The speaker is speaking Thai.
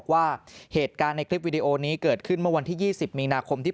ว่าเหตุการณ์ในคลิปวิดีโอนี้เกิดขึ้นเมื่อวันที่๒๐มีนาคมที่